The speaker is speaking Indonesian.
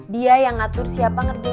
dia yang ngatur siapa ngerjain